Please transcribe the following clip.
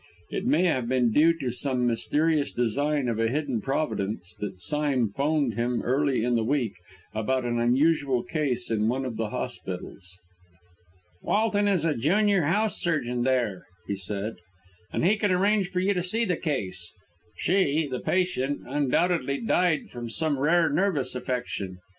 It may have been due to some mysterious design of a hidden providence that Sime 'phoned him early in the week about an unusual case in one of the hospitals. "Walton is junior house surgeon there," he said, "and he can arrange for you to see the case. She (the patient) undoubtedly died from some rare nervous affection.